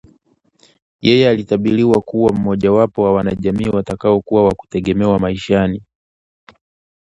Yeye alibashiriwa kuwa mmojawapo wa wanajamii watakaokuwa wa kutegemewa maishani